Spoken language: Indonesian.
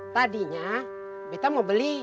tadinya beta mau beli